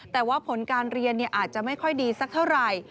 แต่ว่าผลการเรียนอาจจะไม่ค่อยดีสักเท่าไหร่